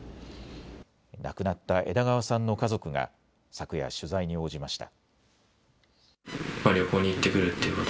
亡くなった枝川さんの家族が昨夜取材に応じました。